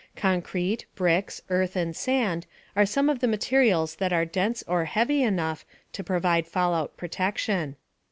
Concrete, bricks, earth and sand are some of the materials that are dense or heavy enough to provide fallout protection.